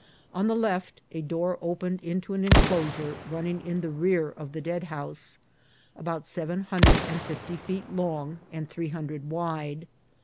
On the left a door opened into an enclosure running in the rear of the deadhouse, about seven hundred and fifty feet long, and three hun dred wide.